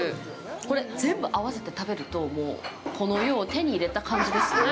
これ全部合わせて食べるともうこの世を手に入れた感じですね。